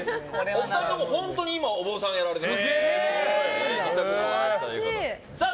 お二人とも本当に今お坊さんやられてる。